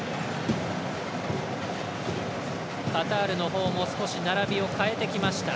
カタールのほうも少し並びを変えてきました。